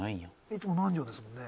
「いつも南條ですもんね」